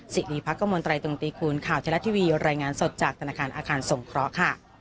สิริพักกมลตรายตรงตีคูณข่าวเทละทีวีรายงานสดจากธนาคารอาคารสงเคราะห์ค่ะ